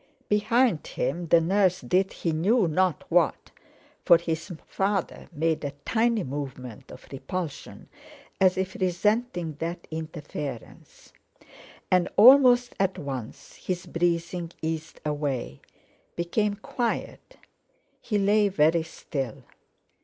Behind him the nurse did he knew not what, for his father made a tiny movement of repulsion as if resenting that interference; and almost at once his breathing eased away, became quiet; he lay very still.